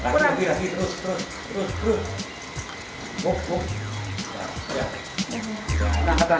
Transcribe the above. kurang lagi terus terus terus